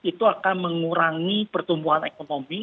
itu akan mengurangi pertumbuhan ekonomi